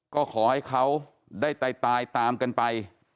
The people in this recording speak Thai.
ก็ขอให้เขาได้ตายตามกันไป